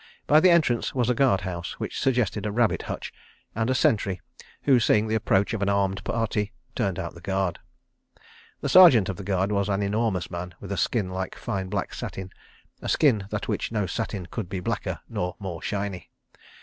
By the entrance was a guard house, which suggested a rabbit hutch; and a sentry, who, seeing the approach of an armed party, turned out the guard. The Sergeant of the Guard was an enormous man with a skin like fine black satin, a skin than which no satin could be blacker nor more shiny.